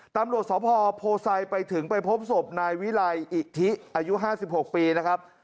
ตำรวจสพโพไซไปถึงไปพบศพนายวิไลอิทิอายุ๕๖ปีนะครับ